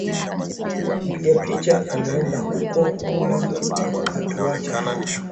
Mpiga picha ameenda huko kula, akatuacha hapa